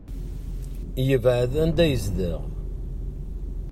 Yebɛed anda yezdeɣ.